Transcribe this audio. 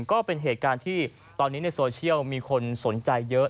ก็เป็นเหตุการณ์ที่ตอนนี้ในโซเชียลมีคนสนใจเยอะ